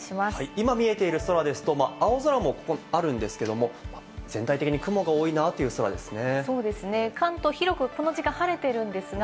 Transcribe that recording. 今見えている空ですと、青空もあるんですけれども、全体的に雲が多いなという空ですね。